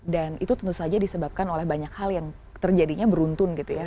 dan itu tentu saja disebabkan oleh banyak hal yang terjadinya beruntun gitu ya